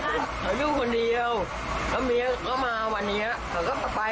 หากจะไปก็มาวันเองเมียเกิดแค่ว่าแยกต้องแม่หนูจะตาย